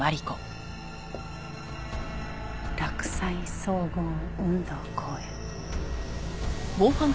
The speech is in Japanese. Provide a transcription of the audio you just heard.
洛西総合運動公園。